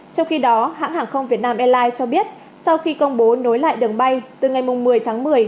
trong khi đó hãng hàng không việt nam airlines cho biết sau khi công bố nối lại đường bay từ ngày một mươi tháng một mươi